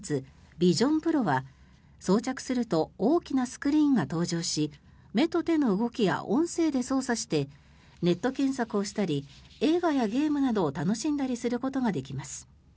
ビジョンプロは装着すると大きなスクリーンが登場し目と手の動きや音声で操作してネット検索をしたり映画やゲームなどを楽しんだりすることができます。